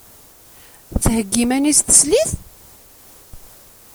Thegga iman-is teslit?